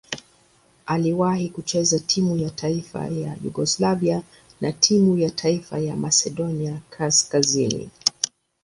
Aliwahi kucheza timu ya taifa ya Yugoslavia na timu ya taifa ya Masedonia Kaskazini.